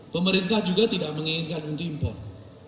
pemerintah juga tidak menginginkan untuk impor